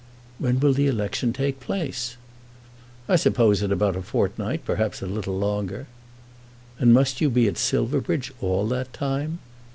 "When will the election take place?" "I suppose in about a fortnight; perhaps a little longer." "And must you be at Silverbridge all that time?"